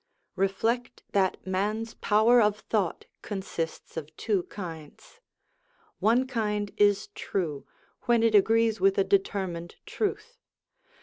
Reflect that man's power of thought consists of two kinds. One kind is true, when it agrees with a deter mined truth.